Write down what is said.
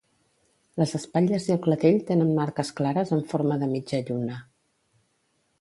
Les espatlles i el clatell tenen marques clares en forma de mitja lluna.